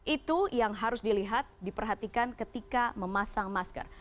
itu yang harus dilihat diperhatikan ketika memasang masker